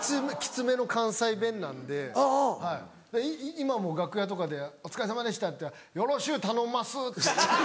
今も楽屋で「お疲れさまでした」って言ったら「よろしゅう頼んます」って。